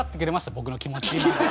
僕の気持ち。